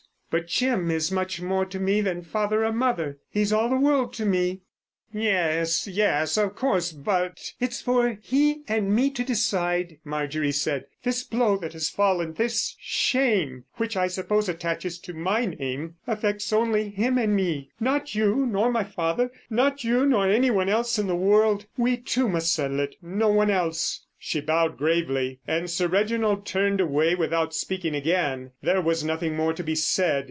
But Jim is more to me than father or mother. He's all the world to me." "Yes, yes, of course. But——" "It's for he and me to decide," Marjorie said again. "This blow that has fallen, this shame, which I suppose attaches to my name, affects only him and me. Not you nor my father, not you nor anyone else in the world. We two must settle it, no one else." She bowed gravely, and Sir Reginald turned away without speaking again. There was nothing more to be said.